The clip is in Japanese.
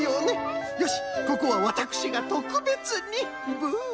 よしここはわたくしがとくべつにぶん。